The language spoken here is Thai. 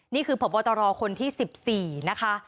นี่คือผ่อบอตรคนที่๑๔นะคะ